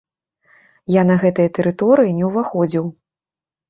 Я на гэтыя тэрыторыі не ўваходзіў.